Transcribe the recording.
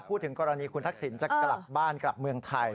พูดถึงกรณีคุณทักษิณจะกลับบ้านกลับเมืองไทย